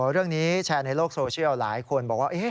เรื่องนี้แชร์ในโลกโซเชียลหลายคนบอกว่า